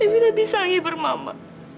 evita disayangi bermama